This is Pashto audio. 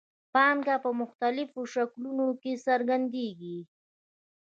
پانګه په مختلفو شکلونو کې څرګندېږي